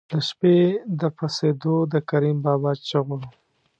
د شپې د پسېدو د کریم بابا چغو.